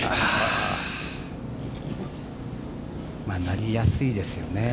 なりやすいですよね。